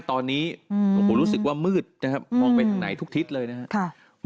ตอนนี้รู้สึกว่ามืดมองไปทางไหนทุกทิศเลยนะครับ